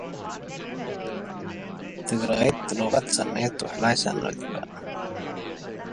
A number of the members of the church were Underground Railroad conductors.